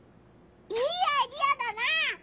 いいアイデアだな！